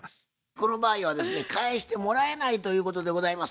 この場合はですね返してもらえないということでございます。